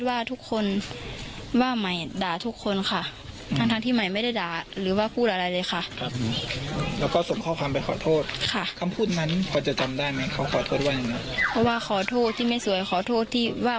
อาร์เมงต้นค่ะมีคนจะฆ่าไหมค่ะ